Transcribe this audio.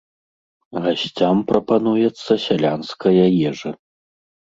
Гасцям прапануецца сялянская ежа.